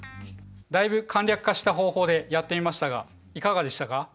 だいぶ簡略化した方法でやってみましたがいかがでしたか？